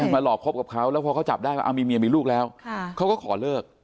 มาหลอกคบกับเขาแล้วพอเขาจับได้ว่ามีเมียมีลูกแล้วเขาก็ขอเลิก